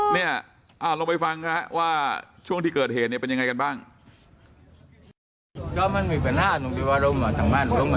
เราไปฟังนะครับว่าช่วงที่เกิดเหตุเป็นยังไงกันบ้าง